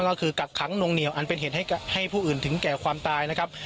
ก็คือกักขังนวงเหนียวอันเป็นเหตุให้ผู้อื่นถึงแก่ความตายนะครับ